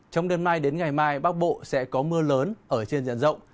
trong đêm mai đến ngày mai bắc bộ sẽ có mưa lớn ở trên diện rộng